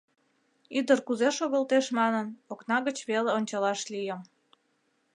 Ӱдыр кузе шогылтеш манын, окна гыч веле ончалаш лийым.